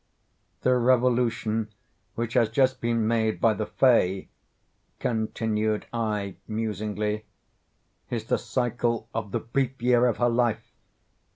"The revolution which has just been made by the Fay," continued I, musingly, "is the cycle of the brief year of her life.